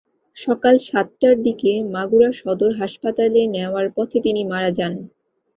সকাল সাতটার দিকে মাগুরা সদর হাসপাতালে নেওয়ার পথে তিনি মারা যান।